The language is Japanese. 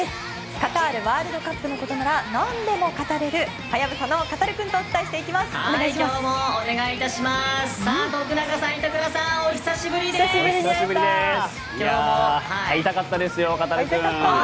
カタールワールドカップのことなら何でも語れるハヤブサのカタルくんとお伝えしていきます。